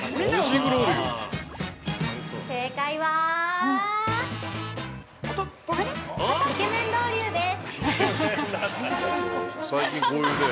◆正解はイケメンロウリュウです。